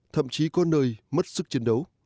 thậm chí có nơi mất sức chiến đấu